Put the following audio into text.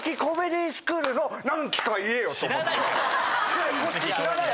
いやこっち知らない。